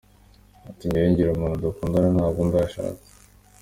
Ati “ Njyewe ngira umuntu dukundana ntabwo ndashaka.